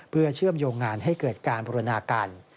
เพื่อเชื่อมโยงงานให้เกิดการบูรณาการ